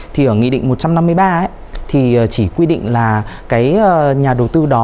thì ở nghị định một trăm năm mươi ba ấy thì chỉ quy định là cái nhà đầu tư đó